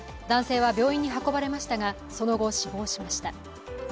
男性は病院に運ばれましたがその後、死亡しました。